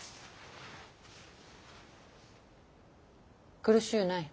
苦しうない。